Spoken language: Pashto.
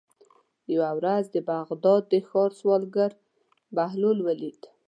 یوه ورځ د بغداد د ښار سوداګر بهلول ولید.